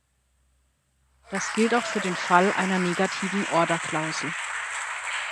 Das gilt auch für den Fall einer "negativen Orderklausel".